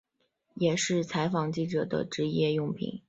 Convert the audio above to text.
也是采访记者的职业日用品。